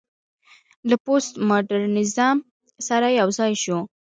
له پوسټ ماډرنيزم سره يوځاى شو